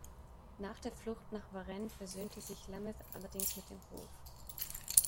Nach der Flucht nach Varennes versöhnte sich Lameth allerdings mit dem Hof.